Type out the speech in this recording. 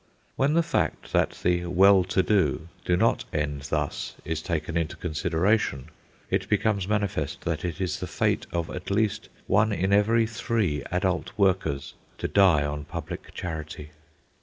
When the fact that the well to do do not end thus is taken into consideration, it becomes manifest that it is the fate of at least one in every three adult workers to die on public charity.